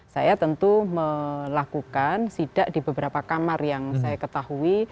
saya tentu melakukan sidak di beberapa kamar yang saya ketahui